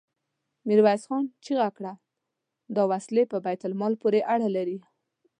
ميرويس خان چيغه کړه! دا وسلې په بيت المال پورې اړه لري.